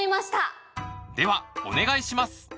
ではお願いします